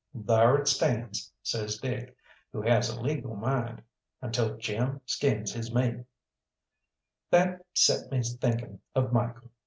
"Thar it stands," says Dick, who has a legal mind, "until Jim skins his meat." That set me thinking of Michael.